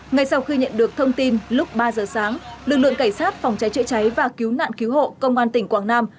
ngay sau khi nhận được thông tin lúc ba giờ sáng lực lượng cảnh sát phòng cháy chữa cháy và cứu nạn cứu hộ công an tỉnh quảng nam